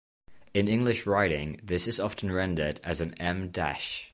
In English writing, this is often rendered as an em dash.